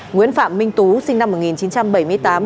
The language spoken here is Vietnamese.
nguyễn phạm minh tú sinh năm một nghìn chín trăm bảy mươi tám